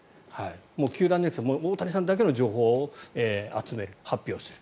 もう球団じゃなくて大谷さんだけの情報を集める発表する。